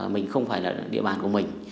mình không phải là địa bàn của mình